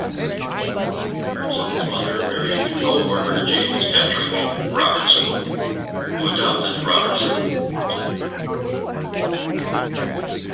Robertson's mother married co-worker James Patrick Robertson, who adopted Robertson.